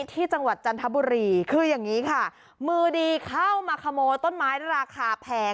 จังหวัดจันทบุรีคืออย่างนี้ค่ะมือดีเข้ามาขโมยต้นไม้ราคาแพง